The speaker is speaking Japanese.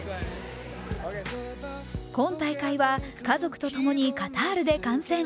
今大会は家族と共にカタールで観戦。